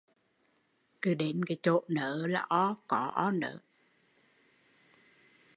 Cứ đến chộ nớ là có o nớ